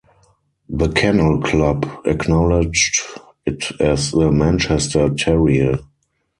The Kennel Club acknowledged it as the Manchester terrier.